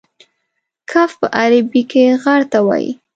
کهف په عربي کې غار ته وایي.